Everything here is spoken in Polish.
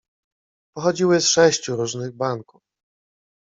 "Pochodziły z sześciu różnych banków."